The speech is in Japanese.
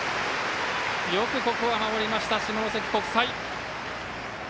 よくここは守りました、下関国際。